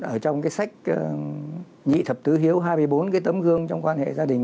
ở trong cái sách nhị thập tứ hiếu hai mươi bốn cái tấm gương trong quan hệ gia đình